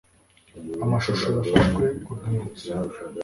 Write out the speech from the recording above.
amashusho yafashwe ku rwibutso